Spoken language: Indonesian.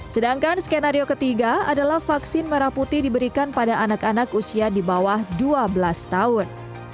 sedangkan skenario ketiga adalah vaksin merah putih diberikan pada anak anak usia di bawah dua belas tahun